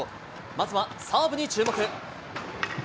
まずはサーブに注目。